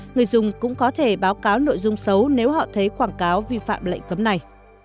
người dùng cũng có thể báo cáo nội dung xấu nếu họ thấy quảng cáo vi phạm lệnh cấm này